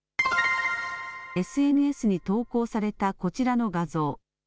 ＳＮＳに投稿されたこちらの画像。